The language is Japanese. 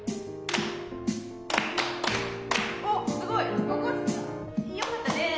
おっすごい！よかったね。